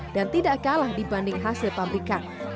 dan tidak kalah dibanding hasil pabrikan